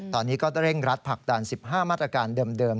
ตอนนี้ก็เร่งรัดผลักดัน๑๕มาตรการเดิมทั้งหมดเลยนะฮ่ะ